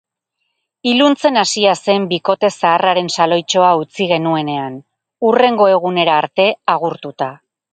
Iluntzen hasia zen bikote zaharraren saloitxoa utzi genuenean, hurrengo egunera arte agurtuta.